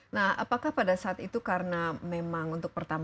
nah apakah pada saat itu karena memang untuk pertama